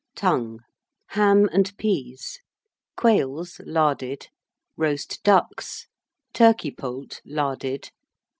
Tongue. Ham and Peas. Quails, larded. Roast Ducks. Turkey Poult, larded.